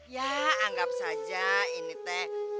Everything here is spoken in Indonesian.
ya anggap saja ini teh